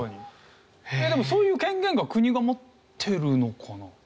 でもそういう権限が国が持ってるのかな？